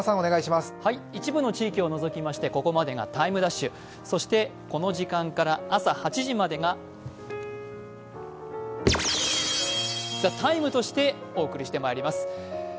一部の地域を除きましてここまでが「ＴＩＭＥ’」、そして、この時間から朝８時までが「ＴＨＥＴＩＭＥ，」としてお送りしてまいります。